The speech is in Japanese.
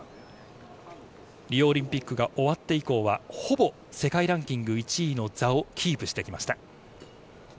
リオオリンピックが終わって以降はほぼ世界ランキング１位の座をキープしてきました。